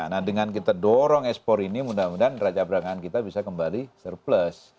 nah dengan kita dorong ekspor ini mudah mudahan neraca perdagangan kita bisa kembali surplus